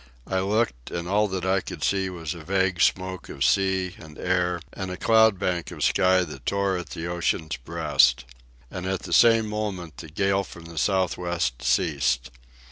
I looked, and all that I could see was a vague smoke of sea and air and a cloud bank of sky that tore at the ocean's breast. And at the same moment the gale from the south west ceased.